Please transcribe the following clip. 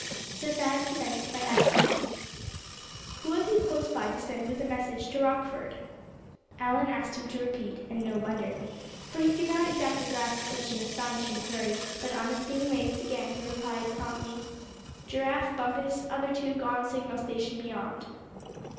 So Thad commenced by asking: "Who have you close by to send with a message to Rockford?" Allan asked him to repeat; and no wonder, for he could not exactly grasp such an astonishing query; but on its being waved again he replied promptly: "Giraffe, Bumpus; other two gone signal station beyond."